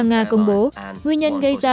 nga công bố nguyên nhân gây ra